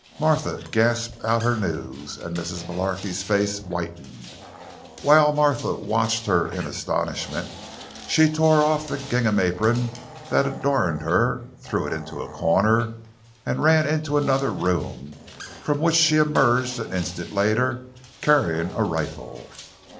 Martha gasped out her news, and Mrs. Mullarky's face whitened. While Martha watched her in astonishment, she tore off the gingham apron that adorned her, threw it into a corner, and ran into another room, from which she emerged an instant later carrying a rifle.